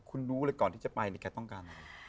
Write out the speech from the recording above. คุณรู้เลยก่อนที่จะไปเนี่ยแกต้องการอะไร